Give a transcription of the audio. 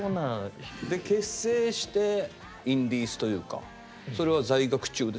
で結成してインディーズというかそれは在学中ですか？